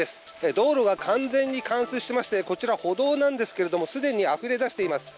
道路が完全に冠水してまして、こちら、歩道なんですけれども、すでにあふれ出しています。